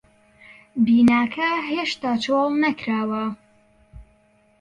بیناکە هێشتا چۆڵ نەکراوە.